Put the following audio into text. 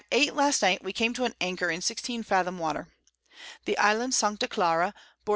_] At 8 last Night we came to an Anchor in 16 Fathom Water. The Island Sancta Clara bore N.